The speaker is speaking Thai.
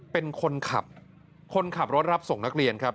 เป็นคนขับคนขับรถรับส่งนักเรียนครับ